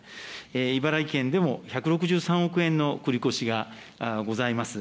茨城県でも１６３億円の繰り越しがございます。